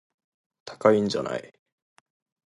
高いんじゃない